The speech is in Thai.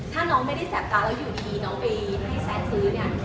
ถ้าน้องไม่ได้แสบตาแล้วอยู่ดีน้องไปให้แซะซื้อเนี่ย